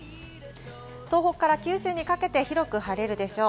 東北から九州にかけて広く晴れるでしょう。